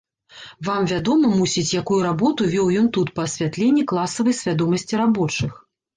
Вам вядома, мусіць, якую работу вёў ён тут па асвятленні класавай свядомасці рабочых.